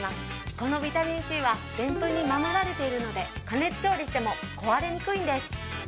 このビタミンＣはデンプンに守られているので加熱調理しても壊れにくいんです。